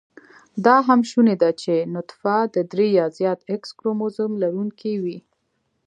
دا هم شونې ده چې نطفه د درې يا زیات x کروموزم لرونېکې وي